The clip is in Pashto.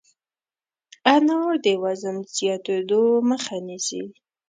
انار د وزن زیاتېدو مخه نیسي.